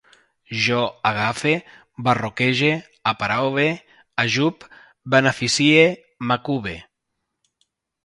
Jo agafe, barroquege, aparaule, ajup, beneficie, m'acube